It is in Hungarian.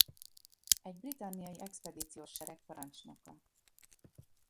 Egy britanniai expedíciós sereg parancsnoka.